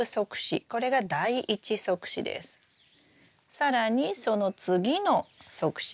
更にその次の側枝